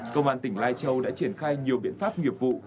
công an tỉnh lai châu đã triển khai nhiều biện pháp nghiệp vụ